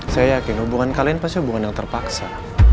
saya yakin hubungan kalian pasti hubungan yang terpaksa